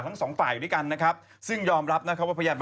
ขณะตอนอยู่ในสารนั้นไม่ได้พูดคุยกับครูปรีชาเลย